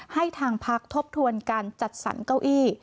ให้ทางพักทบทวนการจัดสรรเก้าอี้